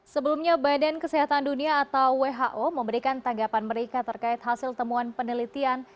sebelumnya badan kesehatan dunia atau who memberikan tanggapan mereka terkait hasil temuan penelitian